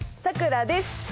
さくらです。